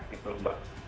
itu yang berubah